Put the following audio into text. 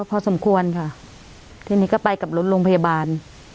พอสมควรค่ะเพราะที่นี้อ๊ะไปกับหลุดโรงพยาบาล